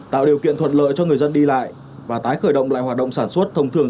tạo điều kiện thuận lợi cho người dân đi lại và tái khởi động lại hoạt động sản xuất thông thường